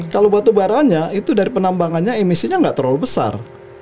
kalau batubaranya itu dari penambangannya emisinya nggak terlalu besar